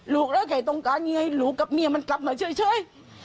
ลูกแล้วใครต้องการยังไงลูกกับเมียมันกลับมาเฉย